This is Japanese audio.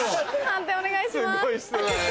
判定お願いします。